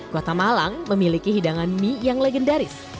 kota malang memiliki hidangan mie yang legendaris